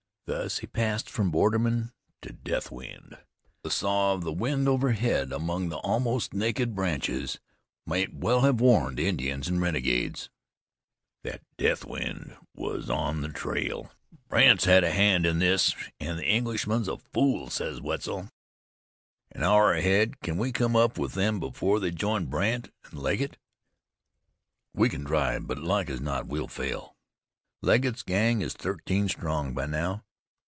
Thus he passed from borderman to Deathwind. The sough of the wind overhead among the almost naked branches might well have warned Indians and renegades that Deathwind was on the trail! "Brandt's had a hand in this, an' the Englishman's a fool!" said Wetzel. "An hour ahead; can we come up with them before they join Brandt an' Legget?" "We can try, but like as not we'll fail. Legget's gang is thirteen strong by now.